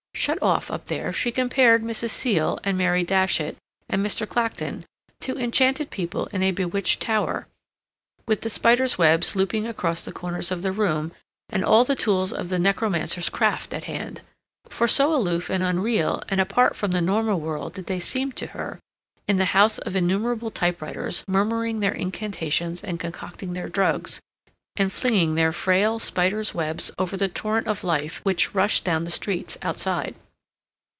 Shut off up there, she compared Mrs. Seal, and Mary Datchet, and Mr. Clacton to enchanted people in a bewitched tower, with the spiders' webs looping across the corners of the room, and all the tools of the necromancer's craft at hand; for so aloof and unreal and apart from the normal world did they seem to her, in the house of innumerable typewriters, murmuring their incantations and concocting their drugs, and flinging their frail spiders' webs over the torrent of life which rushed down the streets outside.